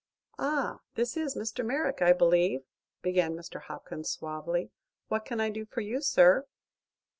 "Ah, this is Mr. Merrick, I believe," began Mr. Hopkins, suavely. "What can I do for you, sir?"